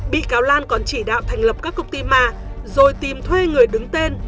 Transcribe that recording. bị cáo lan còn chỉ đạo thành lập các công ty ma rồi tìm thuê người đứng tên